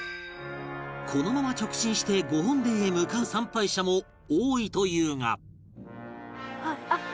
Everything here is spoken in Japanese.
このまま直進して御本殿へ向かう参拝者も多いというが